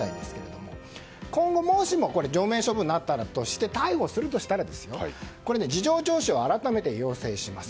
今後、もしも除名処分になったらとして逮捕するとしたら事情聴取を改めて要請します。